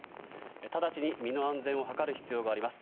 直ちに身の安全を図る必要があります。